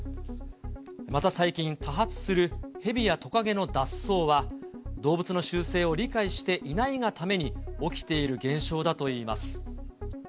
また最近、多発するヘビやトカゲの脱走は、動物の習性を理解していないがために起きている現象だといいます。